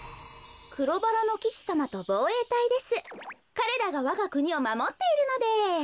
かれらがわがくにをまもっているのです。